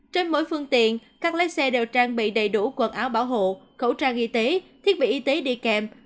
trên mỗi phương tiện các lái xe đều trang bị đầy đủ quần áo bảo hộ khẩu trang y tế thiết bị y tế đi kèm